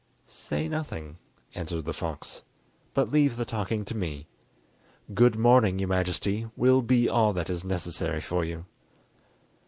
"Say nothing," answered the fox, "but leave the talking to me. 'Good morning, your Majesty,' will be all that is necessary for you."